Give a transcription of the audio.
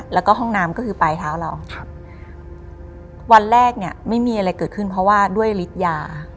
แล้วก็ห้องน้ำก็คือปลายเท้าเราครับวันแรกเนี่ยไม่มีอะไรเกิดขึ้นเพราะว่าด้วยฤทธิ์ยา